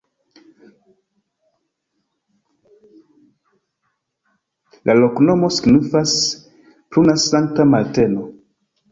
La loknomo signifas: pruna-Sankta-Marteno.